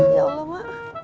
ya allah mak